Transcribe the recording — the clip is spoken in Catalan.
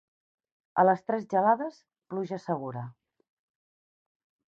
A les tres gelades, pluja segura.